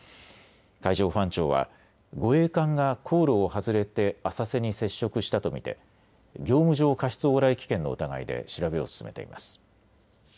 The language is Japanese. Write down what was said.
海上保安庁は護衛艦が航路を外れて浅瀬に接触したと見て業務上過失往来危険の疑いで調べを進めています。